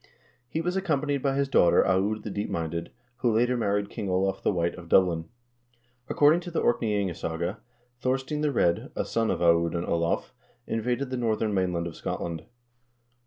He was accompanied by his daughter, Aud the Deepminded, who later married King Olav the White of Dublin. According to the " Orkney ingasaga " Thor stein the Red, a son of Aud and Olav, invaded the northern main land of Scotland.